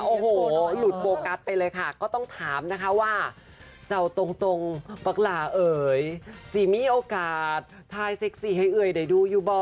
โอ้โหหลุดโฟกัสไปเลยค่ะก็ต้องถามนะคะว่าเจ้าตรงปักหลาเอ๋ยสีมีโอกาสทายเซ็กซี่ให้เอ่ยได้ดูอยู่บ่